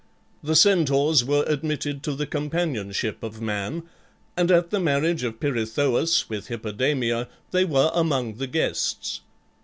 The Centaurs were admitted to the companionship of man, and at the marriage of Pirithous with Hippodamia they were among the guests.